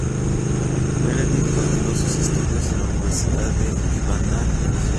Meredith continuó sus estudios en la Universidad de Ibadán en Nigeria.